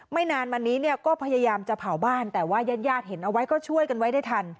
นานมานี้เนี่ยก็พยายามจะเผาบ้านแต่ว่าญาติญาติเห็นเอาไว้ก็ช่วยกันไว้ได้ทัน